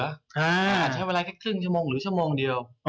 ใช้เวลาแค่ครึ่งชั่วโมงหรือชั่วโมงเดียว